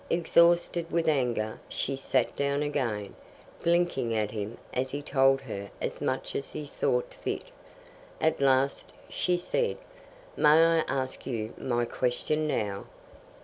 Exhausted with anger, she sat down again, blinking at him as he told her as much as he thought fit. At last she said: "May I ask you my question now?"